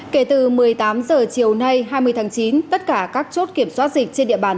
kể từ một mươi tám h chiều nay hai mươi tháng chín tất cả các chốt kiểm soát dịch trên địa bàn